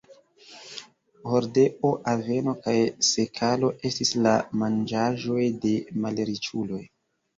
Hordeo, aveno kaj sekalo estis la manĝaĵoj de malriĉuloj.